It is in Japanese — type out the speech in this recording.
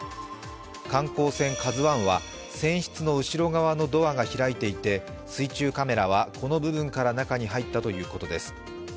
観光船「ＫＡＺＵⅠ」は船室の後ろ側のドアが開いていて水中カメラはこの部分から中に入ったということです。